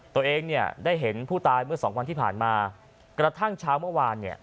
ตัวเองเนี่ยได้เห็นผู้ตายเมื่อสองวันที่ผ่านมากระทั่งเช้าเมื่อวานเนี่ย